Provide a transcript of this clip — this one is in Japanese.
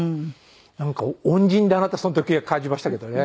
なんか恩人だなってその時は感じましたけどね。